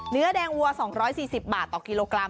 เนื้อแดงวัว๒๔๐บาทต่อกิโลกรัม